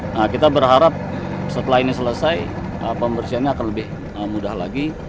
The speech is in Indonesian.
nah kita berharap setelah ini selesai pembersihannya akan lebih mudah lagi